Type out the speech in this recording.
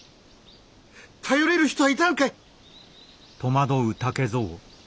頼れる人はいたのかい？